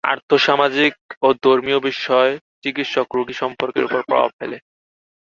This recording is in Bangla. আর্থসামাজিক ও ধর্মীয় বিষয় চিকিৎসক রোগী সম্পর্কের ওপর প্রভাব ফেলে।